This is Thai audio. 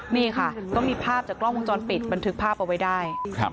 นี่ค่ะก็มีภาพจากกล้องวงจรปิดบันทึกภาพเอาไว้ได้